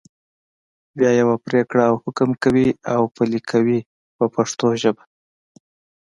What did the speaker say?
بیا یوه پرېکړه او حکم کوي او پلي یې کوي په پښتو ژبه.